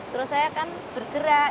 terus saya kan bergerak